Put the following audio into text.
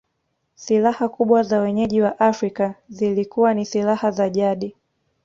Silaha kubwa za wenyeji wa Afrika zilikuwa ni silaha za jadi